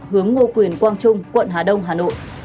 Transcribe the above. hướng ngô quyền quang trung quận hà đông hà nội